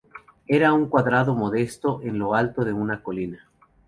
Era un cuadrado modesto en lo alto de una colina.